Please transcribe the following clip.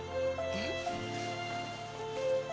えっ？